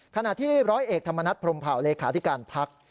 ขณะที่ร้อยเอกธรรมนัฐพรมเผาเลขาธิการพัก